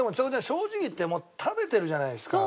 正直言ってもう食べてるじゃないですか。